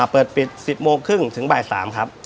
เปิดปิด๑๐โมงครึ่งถึงบ่าย๓ครับ